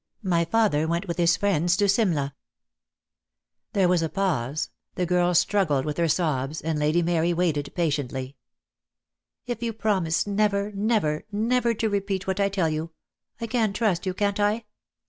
My father went with his friends to Simla." DEAD LOVE HAS CHAINS. 3g There was a pause, the girl struggled with her sobs, and Lady Mary waited patiently, "If you promise never, never, never to repeat what I tell you, I can trust you, can't I?"